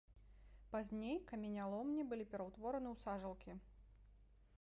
Пазней каменяломні былі пераўтвораны ў сажалкі.